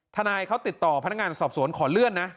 ทนายเขาติดต่อพนักงานสอบสวนขอเลื่อนนะ